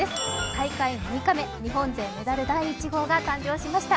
大会６日目、日本勢メダル１号が誕生しました。